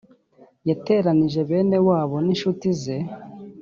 yateranije bene wabo n incuti ze